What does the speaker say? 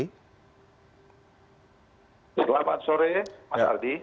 selamat sore mas ardi